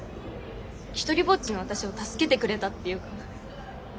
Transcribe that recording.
ひとりぼっちの私を助けてくれたっていうか。